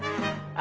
あ。